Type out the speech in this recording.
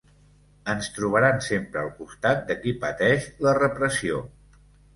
Ens trobaran sempre al costat de qui pateix la repressió.